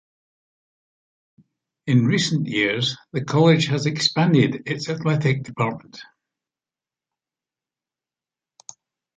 In recent years, the college has expanded its athletic department.